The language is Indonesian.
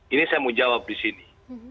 ini saya mau jawab di sini